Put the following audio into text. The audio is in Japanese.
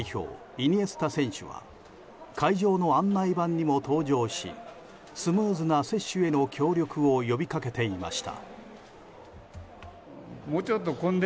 イニエスタ選手は会場の案内板にも登場しスムーズな接種への協力を呼び掛けていました。